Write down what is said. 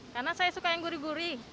karena saya suka yang gurih gurih